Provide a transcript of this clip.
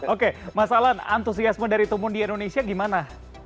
oke masalah antusiasme dari tumun di indonesia gimana